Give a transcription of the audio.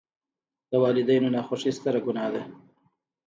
د والداینو ناخوښي ستره ګناه ده.